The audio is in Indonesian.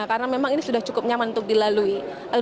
karena memang ini sudah cukup nyaman untuk dilalui